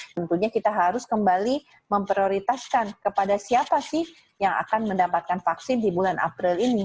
tentunya kita harus kembali memprioritaskan kepada siapa sih yang akan mendapatkan vaksin di bulan april ini